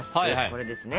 これですね。